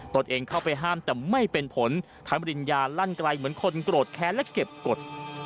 ตนเองเข้าไปห้ามแต่ไม่เป็นผลทั้งปริญญาลั่นไกลเหมือนคนโกรธแค้นและเก็บกฎ